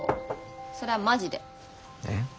それはマジで。え？